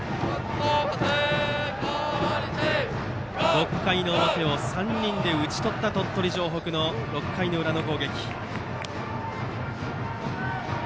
６回表を３人で打ち取った鳥取城北の６回の裏の攻撃。